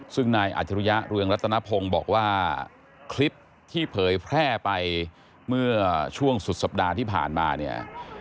ซึ่งนายอาจรุยะเรืองรัตนพงศ์บอกว่าคลิปที่เผยแพร่ไปเมื่อช่วงสุดสัปดาห์ที่ผ่านมาเนี่ย